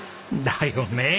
だよねえ。